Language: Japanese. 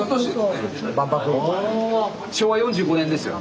昭和４５年ですよ。